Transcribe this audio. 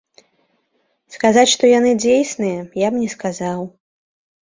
Сказаць, што яны дзейсныя, я б не сказаў.